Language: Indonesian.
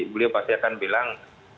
beliau pasti akan bilang